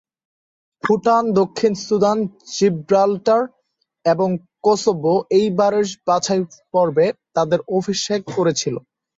ভুটান, দক্ষিণ Sudan, Gibraltar এবং Kosovo এই বারের বাছাইপর্বে তাদের অভিষেক করেছিল।